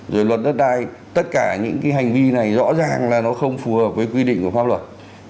rồi luật đất đai tất cả những cái hành vi này rõ ràng là nó không phù hợp với quy định của pháp luật